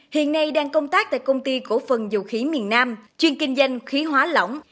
hiện nay đang công tác tại công ty cổ phần dầu khí miền nam chuyên kinh doanh khí hóa lỏng